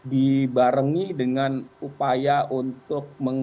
dibarengi dengan upaya untuk